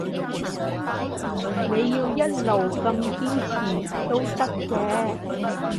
你要一路咁堅持都得嘅